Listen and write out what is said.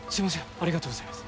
ありがとうございます。